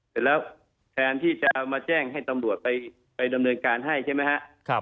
เสร็จแล้วแทนที่จะมาแจ้งให้ตำรวจไปดำเนินการให้ใช่ไหมครับ